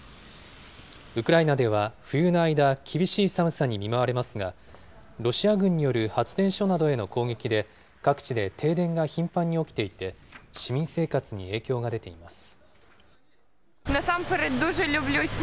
ウクライナでは冬の間、厳しい寒さに見舞われますが、ロシア軍による発電所などへの攻撃で、各地で停電が頻繁に起きていて、市民生活に影響が出ています。